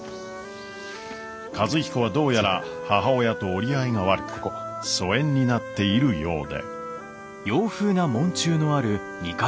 和彦はどうやら母親と折り合いが悪く疎遠になっているようで。